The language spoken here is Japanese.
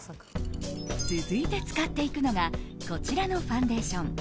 続いて使っていくのがこちらのファンデーション。